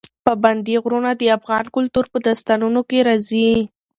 پابندی غرونه د افغان کلتور په داستانونو کې راځي.